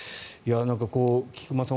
菊間さん